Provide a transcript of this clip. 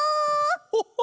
ホッホ！